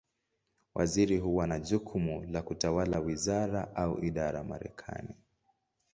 Waziri huwa na jukumu la kutawala wizara, au idara Marekani.